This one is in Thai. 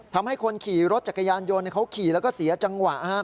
ทำให้คนขี่รถจักรยานยนต์เขาขี่แล้วก็เสียจังหวะ